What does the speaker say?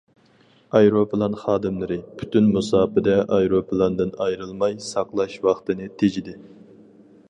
ئايروپىلان خادىملىرى پۈتۈن مۇساپىدە ئايروپىلاندىن ئايرىلماي، ساقلاش ۋاقتىنى تېجىدى.